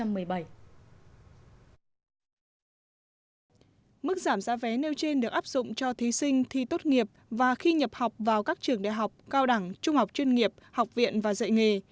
mức giảm giá vé nêu trên được áp dụng cho thí sinh thi tốt nghiệp và khi nhập học vào các trường đại học cao đẳng trung học chuyên nghiệp học viện và dạy nghề